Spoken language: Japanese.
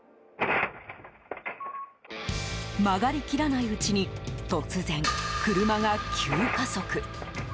曲がり切らないうちに突然、車が急加速。